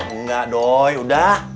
enggak doi udah